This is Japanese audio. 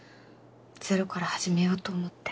ゼロから始めようと思って。